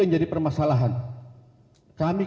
tidak ada empati sama sekali dari pihak lain